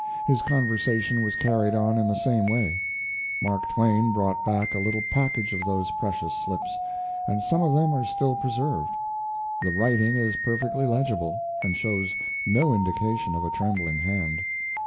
His conversation was carried on in the same way. Mark Twain brought back a little package of those precious slips, and some of them are still preserved. The writing is perfectly legible, and shows no indication of a trembling hand.